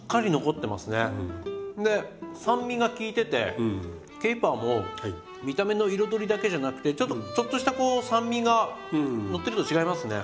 で酸味が効いててケイパーも見た目の彩りだけじゃなくてちょっとしたこう酸味がのってると違いますね。